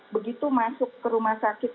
begitu masuk ke rumah sakit